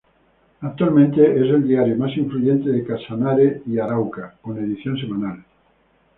Actualmente, es el diario más influyente de Casanare y Arauca, con edición semanal.